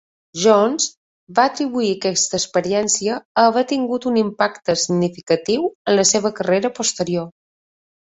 Jones va atribuir aquesta experiència a haver tingut un impacte significatiu en la seva carrera posterior.